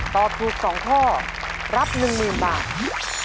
ตอบถูก๒ข้อรับ๑๐๐๐บาท